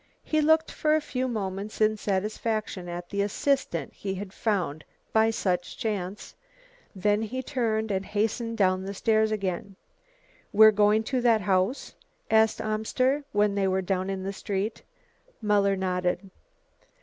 He looked for a few moments in satisfaction at the assistant he had found by such chance, then he turned and hastened down the stairs again. "We're going to that house?" asked Amster when they were down in the street. Muller nodded.